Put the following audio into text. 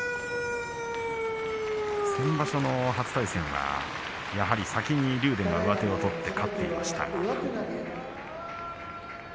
先場所の初対戦はやはり先に竜電が上手を取って勝っていました。